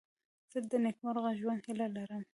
زه د نېکمرغه ژوند هیله لرم.